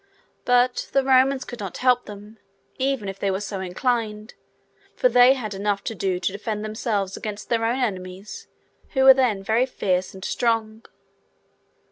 But, the Romans could not help them, even if they were so inclined; for they had enough to do to defend themselves against their own enemies, who were then very fierce and strong.